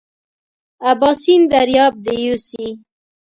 اباسین دریاب دې یوسي.